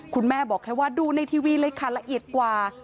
คุณแม่บอกแค่ว่าดูในทีวีเลยค่ะละเอียดกว่า